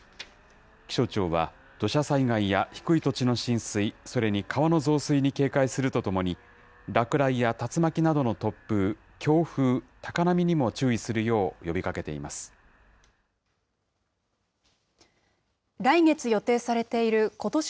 気象庁は、土砂災害や低い土地の浸水、それに川の増水に警戒するとともに、落雷や竜巻などの突風、強風、高波にも注意するよう呼びかけています。